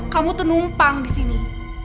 kamu tuh numpang disini